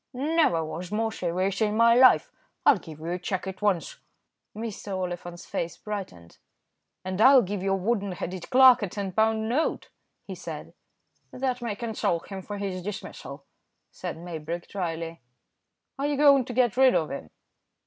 "Never was more serious in my life. I'll give you a cheque at once." Mr. Oliphant's face brightened. "And I'll give your wooden headed clerk a ten pound note," he said. "That may console him for his dismissal," said Maybrick, dryly. "Are you going to get rid of him?"